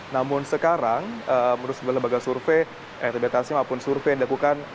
namun sekarang menurut sebuah lembaga survei elektabilitasnya maupun survei yang dilakukan